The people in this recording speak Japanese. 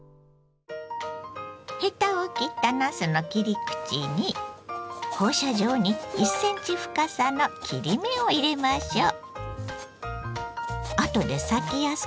ヘタを切ったなすの切り口に放射状に１センチ深さの切り目を入れましょう。